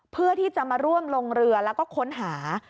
เพื่อที่จะมาร่วมลงเรือแล้วก็ค้นหา